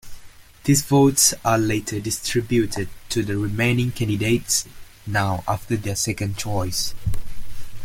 These votes are later distributed to the remaining candidates, now after their second choice.